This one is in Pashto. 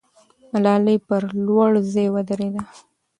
ملالۍ پر لوړ ځای ودرېده.